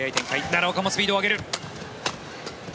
奈良岡もスピードを上げる。